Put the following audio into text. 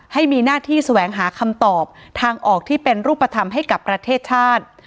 ให้มีหน้าที่แสวงหาคำตอบทางออกที่เป็นรูปธรรมให้กับประเทศชาติ